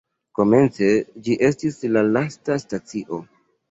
Komence ĝi estis la lasta stacio.